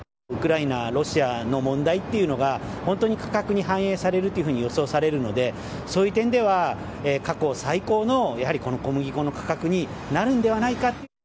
ウクライナ、ロシアの問題というのが、本当に価格に反映されるというふうに予想されるので、そういう点では、過去最高の、やはりこの小麦粉の価格になるんでないかと。